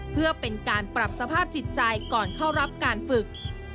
เพื่อเป็นการปรับสภาพจิตใจก่อนเข้ารับการฝึก